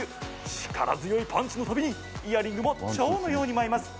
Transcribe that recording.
力強いパンチの度にイヤリングもチョウのように舞います。